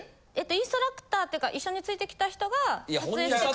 インストラクターっていうか一緒について来た人が撮影してくれた。